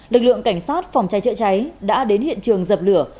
lực lượng cảnh sát phòng cháy chữa cháy đã đến hiện trường dập lửa